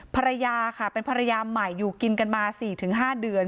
ภรรยาค่ะเป็นภรรยาใหม่อยู่กินกันมา๔๕เดือน